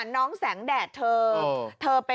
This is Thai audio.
น้องแสงแดดเธอ